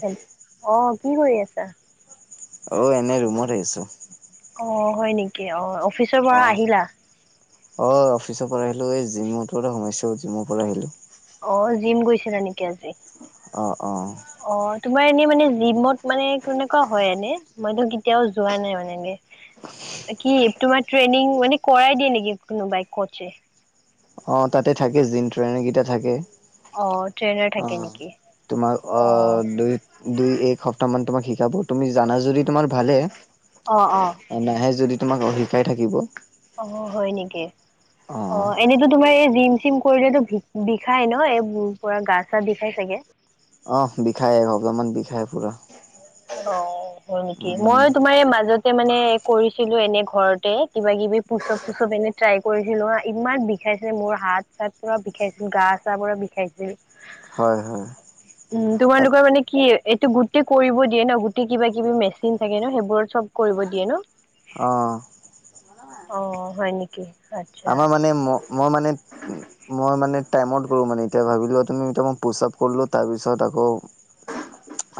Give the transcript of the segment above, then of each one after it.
হেল' অ কি কৰি আছা অ এনে ৰুমতে আছো অ হয় নেকি অ অ অ অ অফিচৰ পৰা আহিলো এই জিমতোটো সোমাইছো জিমৰ পৰা আহিলো অ জিম গৈছিলা নেকি আজি অ অ অ তোমাৰ এনে মানে জিমত মানে কেনেকুৱা হয় এনে মইতো কেতিয়াও যোৱা নাই মানে এনে কি তোমাৰ ট্ৰেইনিং মানে কৰাই দিয়ে নেকি কোনোবাই কচছে অ তাতে থাকে জিনট্ৰ ট্ৰেইনৰকেইটা থাকে অ' ট্ৰেইনাৰ থাকে অ' নেকি? তোমাৰ অ' দুই দুই এক সপ্তাহ মান তোমাক শিকাব তুমি জানা যদি তোমাৰ ভালে। অ' অ' অ নাহে যদি তোমাক অ' শিকাই থাকিব। অ' হয় নেকি অ এনেইতো তোমাৰ এই জিম চিম, কৰিলেতো ভি বিষাই ন এই পু পুৰা গা চা বিষাই চাগে অঁহ, বিষাই অলপমান বিষাই পুৰা। অঁ হয় নেকি? উম, মই তোমাৰ মাজতে মানে কৰিছিলোঁ এনে ঘৰতে কিবা-কিবি পুচপ -চুচপ এনেই ট্ৰাই কৰিছিলোঁ হাঁ। ইমান বিষাইছে, মোৰ হাত-চাত পুৰা বিষাইছিল, গা-চা পুৰা বিষাইছিল। হাঁও হয়, হয়। উম, তোমালোকৰ মানে কি এইটো গোটেই কৰিব দিয়ে ন', গোটেই কিবা-কিবি মেচিন থাকে ন', সেইবোৰত চব কৰিব দিয়ে ন'? অঁ অঁ, হয় নেকি? আচ্ছা আমাৰ মানে, ম' মই মানে মই মানে টাইমত কৰোঁ মানে, এতিয়া ভাৱিলোৱা তুমি। এতিয়া মই পুচপ কৰিলোঁ তাৰপিছত আকৌ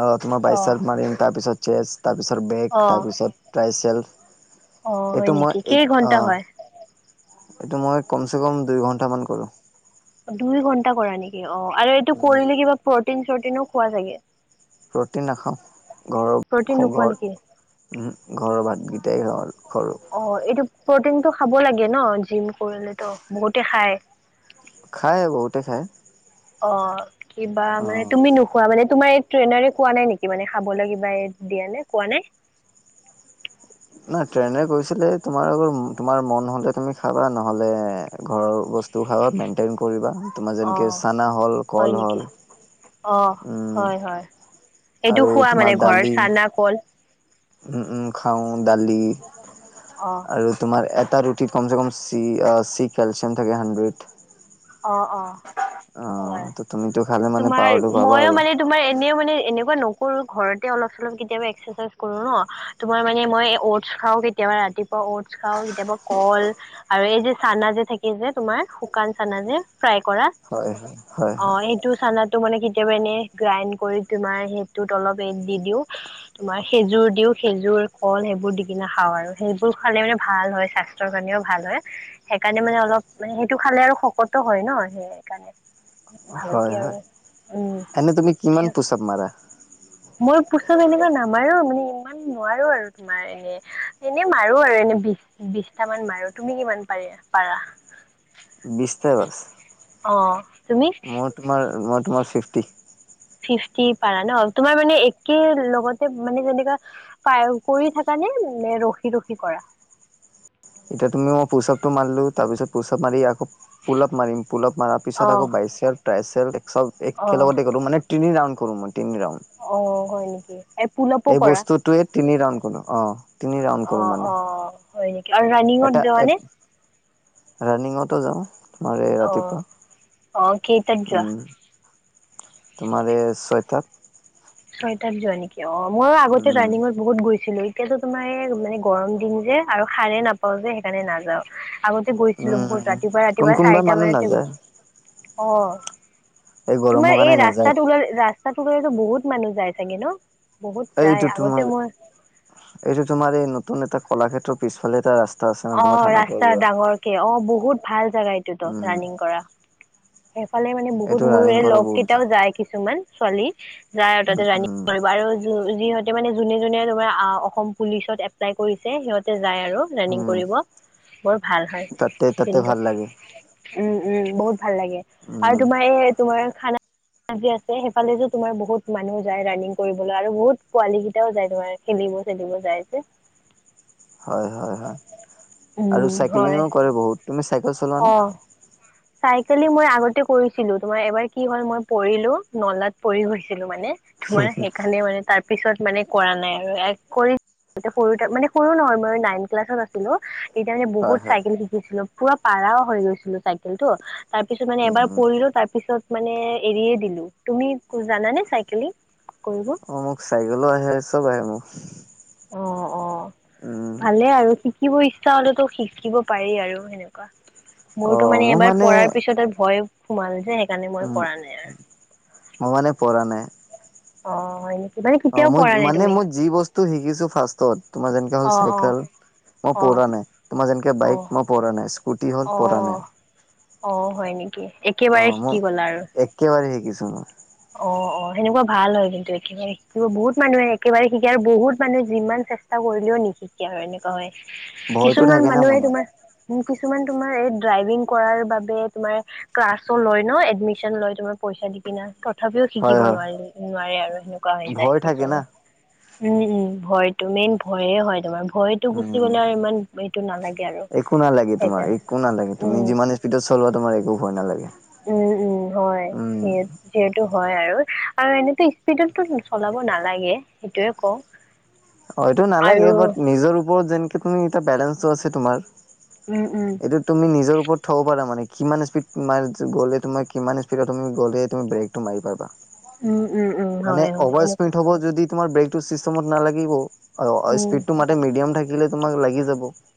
আগত মই অ বাইচেলফ মাৰিম তাৰপিছত চেছ তাৰপিছত অ ব্ৰেগ তাৰপিছত ট্ৰাইছেল। অ হয় এইটো মই নেকি কেই এক আ ঘন্টা হয় এইটো মই কমচেকম দুই ঘণ্টামান কৰোঁ। দুই ঘন্টা কৰা নেকি? অঁ, আৰু এইটো উম কৰিলে কিবা প্ৰ'টিন- চটিনো খোৱা চাগে? প্ৰ'টিন নাখাওঁ। ঘৰৰ প্ৰটিন খ নোখোৱা নেকি ঘৰত উমহোঁ, ঘৰৰ ভাতকেইটাই খাওঁ আৰু ঘৰ- - অঁ এইটো প্ৰ'টিনটো খাব লাগে ন'? জিম কৰিলে ত' বহুতে খাই। খাই বহুতে খাই। অঁ, কিবা মানে তুমি নো খোৱা মানে তোমাৰ এই ট্ৰেইনাৰে কোৱা নাই নেকি মানে, খাবলে কিবা দিয়া নাই, কোৱা নাই? নাই, ট্ৰেইনে কৈছিলে তোমাৰ আৰু, তোমাৰ মন হ'লে তুমি খাবা, নহ'লে ঘৰৰ বস্ বস্তু খাবা মেইনটেইন কৰিবা। তোমাৰ অ যেনেকে চানা হ'ল, হয় কল নেকি হ'ল। অ উম হয় হয় এইটো আৰু খোৱা মানে তোমাক ঘৰৰ দালি। চানা কল উম, উম খাওঁ দালি। অহ। আৰু তোমাৰ এটা ৰুটি কমচেকম চি আ চি কেলচিয়াম থাকে হাইড্ৰেট। অ অ অঁ হয় ত ' তুমিতো খালে মানে তোমাৰ পাৱাৰটো পাবা মইও আৰু। মানে তোমাৰ এনেও মানে এনেকুৱা নকৰোঁ ঘৰতে অলপ- চলপ কেতিয়াবা এক্সাৰচাইজ কৰো ন'। তোমাৰ মানে মই অ'টছ খাওঁ। কেতিয়াবা ৰাতিপুৱা অ'টছ খাওঁ, কেতিয়াবা কল আৰু এই যে চানা যে থাকে যে তোমাৰ শুকান- চানা যে ফ্ৰাই কৰা। হয় হয় হয় অঁ, হয় সেইটো চানাত টো মানে কেতিয়াবা এনে গ্ৰাইণ্ড কৰি তোমাৰ সেইটোত অলপ ৰেড দি দিওঁ। তোমাৰ খেজুৰ দিওঁ, খেজুৰ, কল সেইবোৰ দি কিনে খাওঁ আৰু। সেইবোৰ খালে মানে ভাল হয় স্বাস্ স্থ্য কাৰেও ভাল হয়। সেইকাৰণে মানে অলপ মানে সেইটো খালে আৰু শক্ শকতো হয় ন ' সেইকাৰণে। ভালকে হয়, আৰু হয়। উম এনে তুমি কিমান পোষক মাৰা? মই পুচত এনেকুৱা নামাৰো মানে ইমান নোৱাৰোঁ আৰু তোমাৰ হে -এনে মাৰো আৰু এনে বিশ বিশটামান মাৰো। তুমি কিমান পাৰি পাৰা? বিশটাই বচ? অঁ। মোৰ তোমাৰ, মই তোমাৰ ফিফ্টি। ফিফটি পাৰা ন, তোমাৰ মানে একে লগতে মানে যেনেকুৱা কৰি থাকা নে মানে ৰখি ৰখি কৰা? এতিয়া তুমিও পুচপটো মাৰিলোঁ তাৰপিছত পোচাৱ মাৰি আকৌ পুলআপ মাৰিম পুলআপ মাৰাৰ পিছত অ আকৌ বাইচেল ট্ৰাইচেল এক অ একে লগতে কৰো মানে তিনি ৰাউণ্ড কৰো মই তিনি ৰাউণ্ড। অ হয় নেকি? পুলআপো এই কৰা বস্তুটোৱে তিনি ৰাউণ্ড কৰো অ' তিনি ৰাউণ্ড অ কৰো মানে। অ হয় নেকি? আৰু ৰানিংত যোৱানে? ৰাণিঙতো যাওঁ তোমাৰ এই অ ৰাতিপুৱা অ কেইটাত যোৱা উম। তোমাৰ এই ছয়টাত। ছয়টাত যোৱা নেকি অ মইও আগতে উম ৰানিঙত বহুত গৈছিলো এতিয়াতো এ তোমাৰ মানে গৰম দিন যে আৰু সাৰে নাপাও যে সেইকাৰণে নাযাও। আগত গৈছিলো বহুত উম ৰাতিপুৱা কোন ৰাতিপুৱা কোনোবা চাৰিটা মানুহ মানতে নাযায় গৈছিল অ। এই তোমাৰ গৰমৰ এই কাৰণে নাযায় ৰাস্তাত ওলালে ৰাস্তাত ওলালেতো বহুত মানুহ যায় চাগে ন? বহুত যায় এইটো আগতে তোমাৰ মই এইটো তোমাৰ এই নতুন এটা কলাক্ষেত্ৰৰ পিছফালে এটা ৰাস্তা আছে ন অ তোমাৰ থানা পোৱা ৰাস্তাৰ যোৱা ডাঙৰকে অ বহুত ভাল জাগা এইটোতো উম ৰানিং কৰা। সেইফালে মানে বহুত এইটো মোৰ ৰানিং এই কৰা লগ বহুত কেইটাও ভাল যায় কিছুমান ছোৱালী। যায় আৰু উম তাতে ৰানিং উম কৰিব আৰু যিহঁতে মানে যোনে যোনে তোমাৰ অসম পুলিচত এপ্লাই কৰিছে সিহঁতে যায় আৰু। ৰানিং উম কৰিব বৰ ভাল হয় তাতে তাতে কিন্তু। ভাল লাগে উম উম বহুত ভাল লাগে উম আৰু তোমাৰ এই তোমাৰ থানা যে আছে সেইফালে যে তোমাৰ বহুত মানুহ যায় ৰানিং কৰিবলৈ আৰু বহুত পোৱালী কেইটাও যায় তোমাৰ। খেলিব চেলিব যাইযে। হয় হয় হয় আৰু উম হয় চাইকেলিঙো কৰে বহুত তুমি চাইকেল চলোৱা নে? চাইকেলি মই আগতে কৰিছিলো তোমাৰ এবাৰ কি হ'ল মই পৰিলো নলাত পৰি গৈছিলো মানে। তোমাৰ সেইকাৰণে মানে তাৰ পিছত মানে কৰা নাই আৰু কৰি তেতিয়া সৰু মানে সৰু নহয় মই নাইন ক্লাছত আছিলো। তেতিয়া মানে হয় বহুত হয় চাইকেল শিকিছিলো পুৰা পাৰা হৈ গৈছিলো চাইকেলটো। তাৰপিছত মানে উম এবাৰ উম পৰিলো তাৰপিছত মানে এৰিয়ে দিলো। তুমি জানানে চাইকেলিং কৰিব? অ মোক চাইকেলো আহে চব আহে মোৰ। অ অ ভালে আৰু শিকিব ইচ্ছা হলেতো শিকিব পাৰি আৰু সেনেকুৱা। অ মোৰতো মানে মোৰ এবাৰ পৰাৰ পিছত আৰু ভয় সোমাল যে সেইকাৰণে মই উম কৰা নাই আৰু। মই মানে পৰা নাই। অ হয়নে? অ মই মানে মই যি বস্তু শিকিছো ফাৰ্ষ্টত তোমাৰ যেনে অ হল অ চাইেল, মই অ পৰা নাই তোমাৰ যেনেকে অ বাইক মই পৰা নাই স্কুটি হ'ল অ পৰা নাই। অ হয় নেকি? অ একেবাৰে শিকি মই গ'লা আৰু একেবাৰে শিকিছোঁ মই। অ অ সেনেকুৱা ভাল হয় কিন্তু একেবাৰে শিকিব বহুত মানুহে একেবাৰে শিকে আৰু বহুত মানুহে যিমান চে ষ্টা কৰিলেও নিশিকে আৰু এনেকুৱা হয় ভয়তো কিছুমান থাকে না মানুহে মনত তোমাৰ উম কিছুমান তোমাৰ এই ড্ৰাইভিং কৰাৰ বাবে তোমাৰ ক্লাছো লয় ন এডমিশচন লয় তোমাৰ পইচা দি কিনে। তথাপিও হয় শিকিব হয় নোৱাৰি নোৱাৰে আৰু সেনেকুৱা হৈ যায় ভয় থাকে না কিছুমান। উম-উম। ভয়তো মেইন ভয়ে হয় তোমাৰ ভয় [unintelligible] টো গুচি উম গলে আৰু ইমান এইটো নালাগে আৰু একো সেইকাৰণে উম! [unintelligible] তেতিয়া চলোৱা তোমাৰ একো ভয় নালাগে। উম! [unintelligible] যিহেতু হয় আৰু [inaudible] আৰু এনেইতো স্পীডততো চলাব নালাগে। [unintelligible] সেইটোৱেই কওঁ। [unintelligible] অ এইটো আৰু নালাগে বাট নিজৰ ওপৰত যেনেকে তুমি এ বেলেঞ্চটো আছে তোমাৰ [unintelligible] উম-উম। [unintelligible] এইটো তুমি নিজৰ ওপৰত থ'ব পাৰা মানে কিমান স্পীড [unintelligible] গ'লে তোমাৰ কিমান স্পীডত তুমি গ'লে তুমি ব্ৰেক [inaudible] [unintelligible] মাৰি পাবা। উম, উম, উম, [inaudible] মানে হয় হয় অভাৰ সেনেকুৱা স্পীড হ'ব যদি তোমাৰ ব্ৰেকটো চিষ্টেমত নালাগিব। [unintelligible] অ উম। স্পীডটো মানে মিডিয়াম থাকিলে তোমাক লাগি যাব। [unintelligible]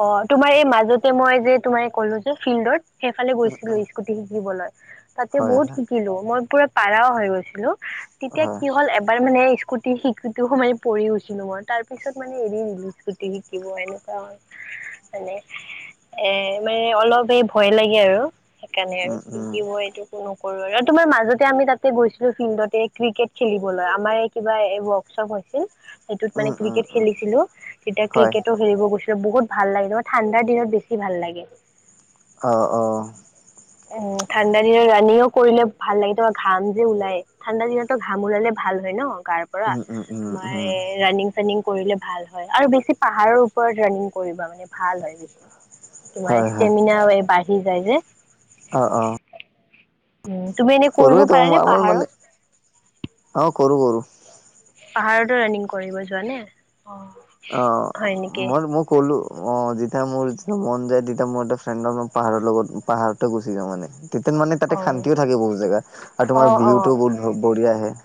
অঁ! তোমাৰ এই মাজতে মই যে তোমাৰ এই ক'লো যে ফিল্ডৰ [unintelligible] সেইফালে গৈছিলো স্কুটি শিকিবলৈ, তাতে হয় বহুত হয় শিকিলোঁ, মই পুৰা পাৰাও হৈ গৈছিলোঁ। [unintelligible] তেতিয়া হয় কি হ'ল এবাৰ মানে স্কুটি [unintelligible] স্কুটি শিকো‍ঁতে মানে পৰি গৈছিলোঁ মই তাৰ পিছত মানে এৰি দিলোঁ স্কুটি [unintelligible] [unintelligible] থাকিব এনেকুৱা মানে এ মানে অলপ এই ভয় লাগে আৰু। সেইকাৰণে আৰু উম উম শিকিব এইটো কোনো [unintelligible] [unintelligible] তোমাৰ মাজতে আমি তাতে গৈছিলোঁ, ফিল্ডতে ক্ৰিকেট খেলিবলৈ। আমাৰে এই কিবা এই ৱৰ্কশ্বপ হৈছিল। [inaudible] সেইটোত মানে উম উম ক্ৰিকেট উম খেলিছিলোঁ তেতিয়া [unintelligible] হয় [unintelligible] ক্ৰিকেটো খেলিব গৈছিলোঁ। বহুত ভাল লাগে। [unintelligible] ঠাণ্ডাৰ দিনত বেছি ভাল লাগে। [inaudible] অঁ-অঁ। [inaudible] উম! ঠাণ্ডা দিনত ৰানিঙো কৰিলে ভাল লাগে। তোমাৰ ঘাম যে ওলাই। [unintelligible] ঠাণ্ডা দিনতটো ঘাম ওলালে ভাল হয় ন গাৰ পৰা। উম উম উম তোমাৰ উম এ ৰানিং [unintelligible] ৰানিং কৰিলে ভাল হয় আৰু বেছি পাহাৰৰ ওপৰত ৰানিং কৰিবা মানে। [unintelligible] ভাল হয়। [unintelligible] তোমাৰ হয় হয় ষ্টেমিনাও এই বাঢ়ি যায় যে। অঁ-অঁ। [unintelligible] উম! তুমি এনে কৰিব পাৰানে আমাৰ মানে পাহাৰত? অ কৰো কৰো [unintelligible] পাহাৰতো ৰানিং কৰিব যোৱা নে? অঁ! [unintelligible] অঁ! [unintelligible] মই-মই ক'লোঁ। অঁ! যেতিয়া মোৰ যেতিয়া মন যায়, তেতিয়া মোৰ এটা ফ্ৰেণ্ডৰ পাহাৰৰ লগত পাহাৰতে গুচি যাওঁ মানে। [unintelligible] [unintelligible] তেতিয়া মানে তাতে অ', শান্তিও থাকে বহুত জেগাত আৰু তোমাৰ অ', ভিউটোও বহুত বঢ়িয়া আহে। [inaudible]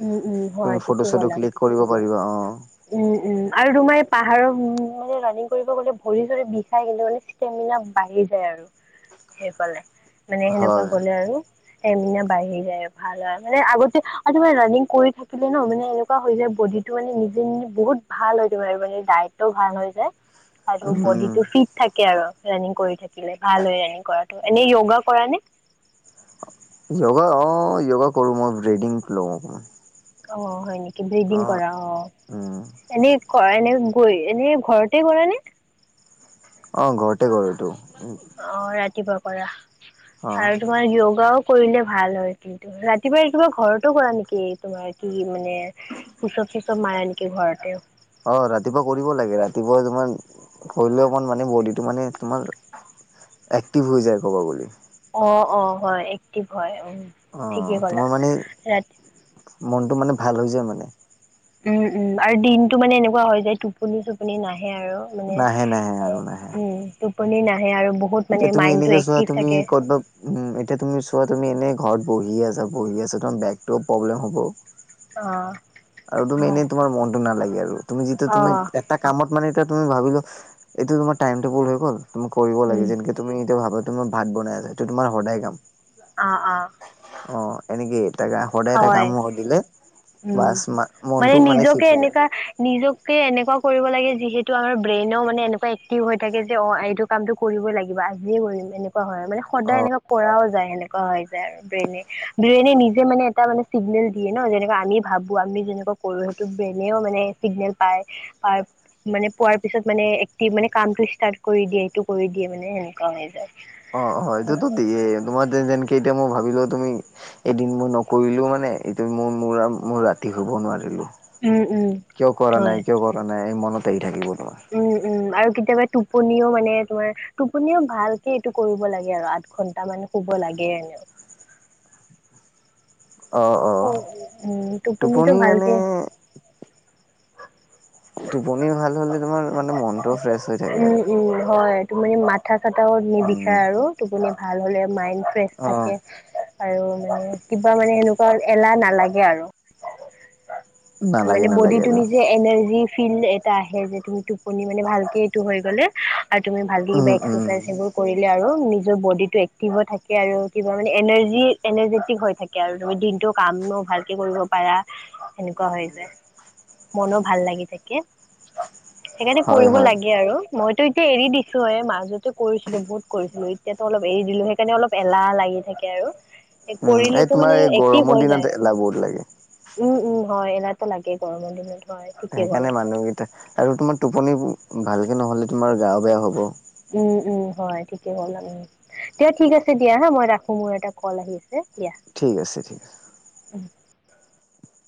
উম-উম। [unintelligible] তুমি ফটো-চটো ক্লিক কৰিব পাৰিবা। অঁ! [unintelligible] উম-উম আৰু তোমাৰ পাহাৰৰ মানে ৰানিং কৰিব গলে ভৰি-চৰি বিষাই কিন্তু মানে। [unintelligible] ষ্টেমিনা বাঢ়ি যায় আৰু সেইফালে মানে সেনেকুৱা হয়, গলে আৰু। [unintelligible] ষ্টেমিনা বাঢ়ি যায়, ভাল হয় মানে আগতে আৰু তোমাৰ ৰানিং কৰি থাকিলে ন মানে [unintelligible] হৈ যায় বডিটো মানে নিজ [unintelligible] বহুত ভাল হৈ যায় [unintelligible] ডায়েটটো ভাল হৈ যায় আৰু উম। বডিটো ফিট [unintelligible] থাকে আৰু ৰানিং কৰি থাকিলে ভাল হয় ৰানিং কৰাটো। এনেই য়োগা কৰা নে? [unintelligible] য়োগা অঁ য়োগা কৰোঁ মই ব্ৰেডিং লওঁ। [unintelligible] অঁ হয় নেকি? ব্ৰিডিং অ' কৰা অঁ। উম, [unintelligible] এনেই কৰা [unintelligible] এনেই গৈ, এনেই ঘৰতে কৰা নে? অঁ! ঘৰতে কৰোঁ এইটো। [unintelligible] অঁ ৰাতিপুৱা কৰা অ' আৰু তোমাৰ য়োগাও [unintelligible] কৰিলে ভাল হয় কিন্তু। ৰাতিপুৱাই-ৰাতিপুৱাই ঘৰতো কৰা নেকি তোমাৰ? [unintelligible] কি মানে পোচাপ চোচাপ মাৰে এনেকে ঘৰতে। অ ৰাতিপুৱা কৰিব লাগে ৰাতিপুৱা তোমাৰ কৰিলে অকমান মানে বডিটো মানে তোমাৰ এক্টিভ হৈ যায় ক'ব গলি। অ অ হয় এক্টিভ হয় উম। ঠিকে অহ ক'লা তোমাৰ মানে ৰাতি মনটো মানে ভাল হৈ যায় মানে। উম উম আৰু দিনটো মানে এনেকুৱা হয় যায় টোপনি চোপনি নাহে আৰু। মানে নাহে নাহে সেই আৰু নাহে। উম টোপনি নাহে আৰু বহু এতিয়া তুমি এনেকে চোৱা তুমি ক'তবা উম এতিয়া তুমি চোৱা তুমি এনেই ঘৰত বহি আছা বহি আছা তোমাৰ বেকটোও প্ৰব্লেম হ'ব। অহ। আৰু তুমি এনেই তোমাৰ মনটো নালাগে আৰু তুমি যেতিয়া তুমি অ', এটা কামত মানে এতিয়া তুমি ভাবি লোৱা এইটো তোমাৰ টাইম টেবুল হৈ গ'ল তুমি কৰিব উম। লাগে যেনেকে তুমি এতিয়া ভাবা তোমাৰ ভাত বনাই আছে সেইটো তোমাৰ সদায় কাম। অ অ। অ এনেকে তাকে সদায় এটা হয়, কাম দিলে উম। বাছ মা মনটো মানে ফিট নিজকে হৈ যায়। এনেকা নিজকে এনেকুৱা কৰিব লাগে যিহেতু আমাৰ ব্ৰেইনেও মানে এনেকুৱা এক্টিভ হৈ থাকে যে অ এইটো কামটো কৰিবই লাগিব আজিয়ে কৰিম এনে কুৱা হয় মানে অ সদায় এনেকুৱা কৰাও যায় এনেকুৱা হয় যায় আৰু ব্ৰেইনে, ব্ৰেইনে নিজে মানে এটা মানে চিগনেল দিয়ে ন যেনেকৈ আমি ভাবোঁ আমি যেনেকৈ কৰোঁ সেইটো ব্ৰেইনেও মানে চিগনেল পায়। মানে পোৱাৰ পিছত মানে এক্টিভ মানে কামটো ষ্টাৰ্ট কৰি দিয়ে সেইটো কৰি দিয়ে মানে সেনেকুৱা হৈ যায়। অ অ সেইটোতো দিয়েই তোমাৰ এতিয়া যেনকে এতিয়া মই ভাবিলো তুমি এদিন মই নকৰিলোঁ মানে এইটো মোৰ মোৰ আৰু মোৰ ৰাতি শুব নোৱাৰিলোঁ। উম উম কিয় কৰা হয় নাই কিয় কৰা নাই এই মনত আহি থাকিব তোমাৰ। উম উম। আৰু কেতিয়াবা টোপনিও মানে তোমাৰ টোপনিও ভালকে এইটো কৰিব লাগে আৰু আঠ ঘন্টা মান শুব লাগে এনেও। অ অ উম টোপনিটো টোপনি ভালকে মানে টোপনি ভাল হ'লে তোমাৰ মানে মন উম উম হয়। তো মানে মাথা চাথাও উম। নিবিষায় আৰু টোপনি ভাল হ'লে মায়েণ্ড ফ্ৰেছ অ' থাকে। আৰু মানে কিবা মানে সেনেকুৱা এলাহ নালাগে আৰু। মানে নালাগে নালাগে বডিটো আৰু নিজে এনাৰ্জি ফিল এটা আহে যে তুমি টোপনি মানে ভালকে এইটো হৈ গ'লে। আৰু তুমি ভালকে উম কিবা উম এক্সাৰচাইজ সেইবোৰ কৰিলে আৰু নিজৰ বডিটো এক্টিভ হৈ থাকে আৰু কিবা মানে এনাৰ্জি এনাৰ্জেটিক হৈ থা থাকে আৰু তুমি দিনটো কামো ভালকে কৰিব পাৰা। সেনেকুৱা হৈ যায়। মনো ভাল লাগি থাকে। সেইকাৰণে হয় কৰিব হয়। লাগে আৰু। মইতো এতিয়া এৰি দিছোঁয়ে মাজতে কৰিছিলোঁ বহুত কৰিছিলোঁ এতিয়াতো অলপ এৰি দিলোঁ সেই সেইকাৰণে অলপ এলাহ লাগি থাকে আৰু উম, এই কৰিলেতো তোমাৰ মানে এই এক্টিভ গৰমৰ হৈ দিনত যায়। এলাহ বহুত লাগে। উম উম হয় এনেতো লাগেই গৰমৰ দিনত। হয় ঠিকেই সেইকাৰণে ক'লা মানুহকেইটা আৰু তোমাৰ টোপনি ভালকে নহ'লে তোমাৰ গাও বেয়া হ'ব। উম উম হয় ঠিকে ক'লা তুমি। দিয়া ঠিক আছে, দিয়া হা মই ৰাখোঁ, মোৰ এটা কল আহি আছে দিয়া', ঠিক আছে', - ঠিক আছে', উম',